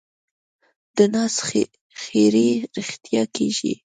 د ناز ښېرې رښتیا کېږي.